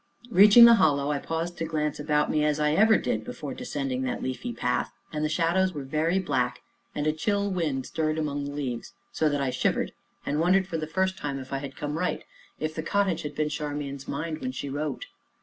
Reaching the Hollow, I paused to glance about me, as I ever did, before descending that leafy path; and the shadows were very black and a chill wind stirred among the leaves, so that I shivered, and wondered, for the first time, if I had come right if the cottage had been in Charmian's mind when she wrote.